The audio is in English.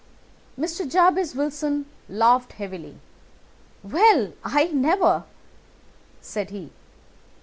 Mr. Jabez Wilson laughed heavily. "Well, I never!" said he.